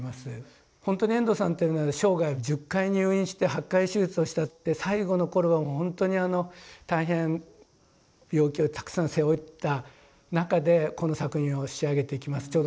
ほんとに遠藤さんっていうのは生涯１０回入院して８回手術をしたって最後の頃はほんとにあの大変病気をたくさん背負った中でこの作品を仕上げていきます。